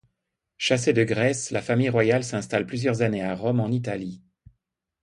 Chassée de Grèce, la famille royale s'installe plusieurs années à Rome, en Italie.